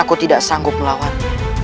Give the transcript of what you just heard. aku tidak sanggup melawannya